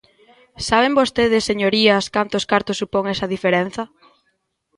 ¿Saben vostedes, señorías, cantos cartos supón esa diferenza?